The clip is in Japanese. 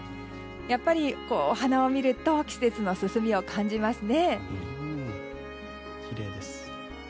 やっぱりお花を見ると季節の進みを感じますね。